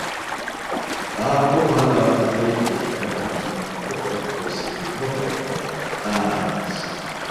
تا کھو کھوانگ لہ پتہ یودپی خپیرا گنگمہ فو فوروق پو سی مو فوروق پو لہ تنگس